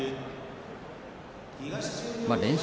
連勝